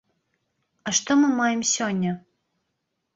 А што мы маем сёння?